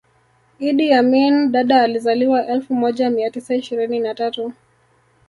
Idi Amin Dada alizaliwa elfu moja mia tisa ishirini na tatu